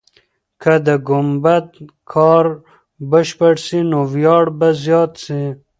که د ګمبد کار بشپړ سي، نو ویاړ به زیات سي.